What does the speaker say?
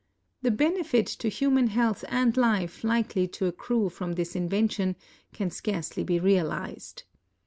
The benefit to human health and life likely to accrue from this invention can scarcely be realized.